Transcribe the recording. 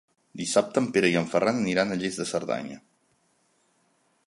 Dissabte en Pere i en Ferran aniran a Lles de Cerdanya.